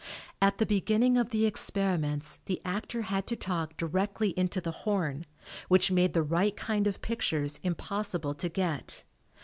At the beginning of the experiments the actor had to talk directly into the horn, which made the right kind of pictures impossible to get.